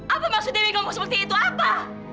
apa maksudnya kamu ngomong seperti itu apa